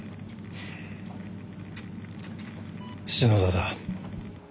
篠田だ。